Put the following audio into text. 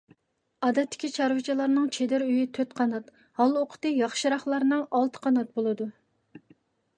ئادەتتىكى چارۋىچىلارنىڭ چېدىر ئۆيى تۆت قانات، ھال-ئوقىتى ياخشىراقلارنىڭ ئالتە قانات بولىدۇ.